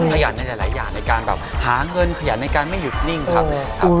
พี่เอกเนี่ยจะหาเงินขยันในการไม่หยุดนิ่งครับ